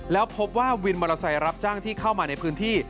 แล้วพบว่าวินมอเตอร์ไซค์รับจ้างที่เข้ามาในพื้นที่